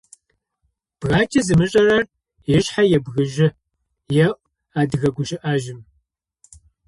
«Бгакӏэ зымышӏэрэр ышъхьэ ебгыжьы» еӏо адыгэ гущыӏэжъым.